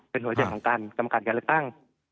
เป็นหัวใจของการจำกัดการเลือกตั้ง